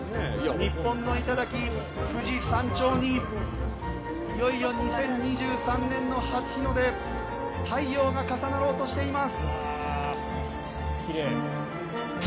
日本の頂、富士山頂にいよいよ２０２３年の初日の出太陽が重なろうとしています。